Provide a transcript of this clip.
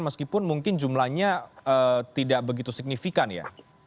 meskipun mungkin jumlahnya tidak begitu signifikan ya